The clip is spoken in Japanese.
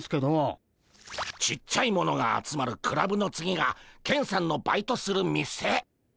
ちっちゃいものが集まるクラブの次がケンさんのバイトする店。